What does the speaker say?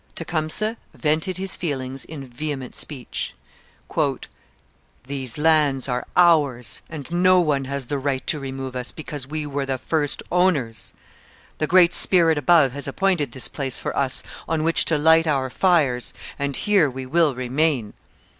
Tecumseh vented his feelings in vehement speech. These lands are ours, and no one has the right to remove us, because we were the first owners; the Great Spirit above has appointed this place for us on which to light our fires, and here we will remain.